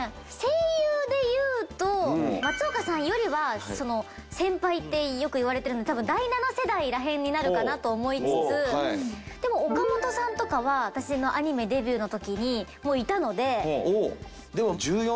声優でいうと松岡さんよりは先輩ってよく言われてるので多分第７世代ら辺になるかなと思いつつでも岡本さんとかは私のアニメデビューの時にもういたので。